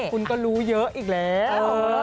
คุณก็รู้เยอะอีกแล้ว